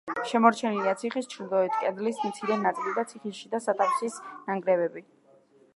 შემორჩენილია ციხის ჩრდილოეთი კედლის მცირე ნაწილი და ციხის შიდა სათავსის ნანგრევები.